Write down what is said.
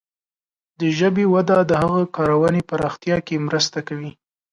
د ژبې وده د هغه کارونې پراختیا کې مرسته کوي.